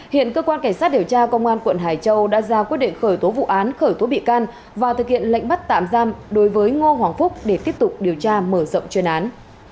hiện cơ quan cảnh sát điều tra công an quận hải châu đã ra quyết định khởi tố vụ án khởi tố bị can và thực hiện lệnh bắt tạm giam đối với ngô hoàng phúc để tiếp tục điều tra mở rộng chuyên án